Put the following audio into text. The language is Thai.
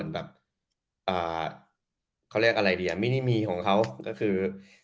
แบบเขาเรียกอะไรดีอ่ะไม่ได้มีของเขาก็คือ